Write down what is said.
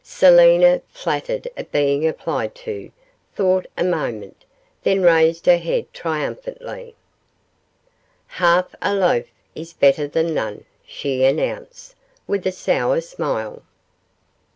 Selina, flattered at being applied to, thought a moment, then raised her head triumphantly '"Half a loaf is better than none,"' she announced, with a sour smile.